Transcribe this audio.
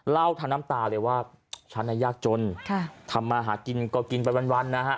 ทางน้ำตาเลยว่าฉันยากจนทำมาหากินก็กินไปวันนะฮะ